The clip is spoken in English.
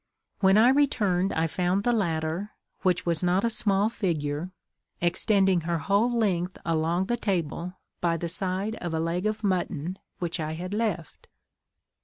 When I returned I found the latter, which was not a small figure, extending her whole length along the table by the side of a leg of mutton which I had left.